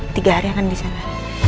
tiga hari akan di sana